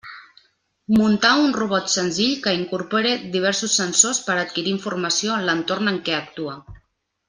Muntar un robot senzill que incorpore diversos sensors per a adquirir informació en l'entorn en què actua.